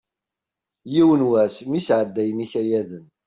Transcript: Yiwen wass mi sɛeddayen ikayaden.